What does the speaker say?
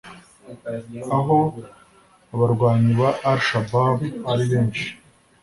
aho abarwanyi ba Al Shabab ari benshi